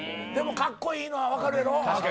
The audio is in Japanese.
格好いいのは分かるやろ。